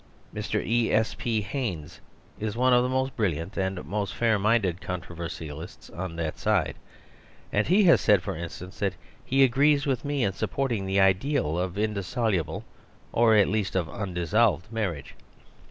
Mr. E. S. P. Haynes is one of the most brilliant and most fair minded controversialists on that side; and The Vista of Divorce 181 he has said, for instance, that he agrees with me in supporting the ideal of indissoluble or, at least, of undissolved marriage.